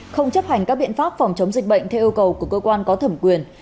không chấp hành các biện pháp phòng chống dịch bệnh theo yêu cầu của cơ quan có thẩm quyền